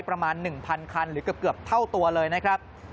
ประมาณ๑๐๐คันหรือเกือบเท่าตัวเลยนะครับ